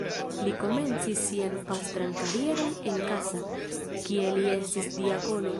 Li komencis sian pastran karieron en Kassa, kie li estis diakono.